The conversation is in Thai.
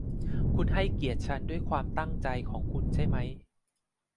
คุณให้เกียรติฉันด้วยความตั้งใจของคุณใช่มั้ย